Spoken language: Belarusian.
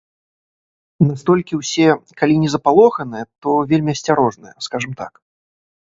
Настолькі ўсе калі не запалоханыя, то вельмі асцярожныя, скажам так.